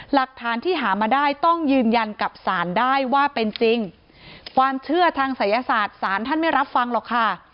หลักฐานที่หามาได้ต้องยืนยันกับศาลได้ว่าเป็นจริงความเชื่อทางศัยศาสตร์ศาลท่านไม่รับฟังหรอกค่ะ